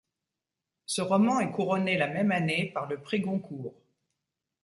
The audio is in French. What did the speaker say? Ce roman est couronné, la même année, par le prix Goncourt.